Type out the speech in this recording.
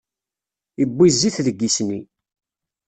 Iwwi zzit deg isni.